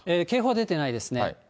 警報は出てないですね。